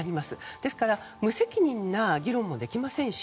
ですから無責任な議論もできませんし